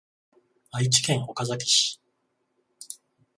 愛知県岡崎市